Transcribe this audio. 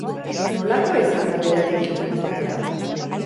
Nolakoa izan da berarekin lan egitea?